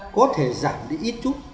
có thể giảm đi ít chút